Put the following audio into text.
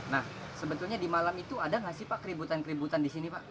nah sebetulnya di malam itu ada nggak sih pak keributan keributan di sini pak